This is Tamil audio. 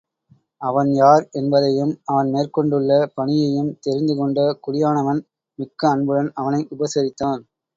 அவன் யார் என்பதையும், அவன் மேற்கொண்டுள்ள பணியையும் தெரிந்து கொண்ட குடியானவன், மிக்க அன்புடன் அவனை உபசரித்தான்.